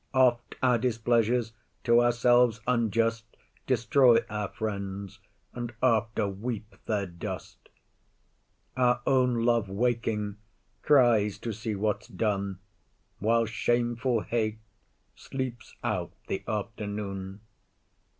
Oft our displeasures, to ourselves unjust, Destroy our friends, and after weep their dust: Our own love waking cries to see what's done, While shameful hate sleeps out the afternoon.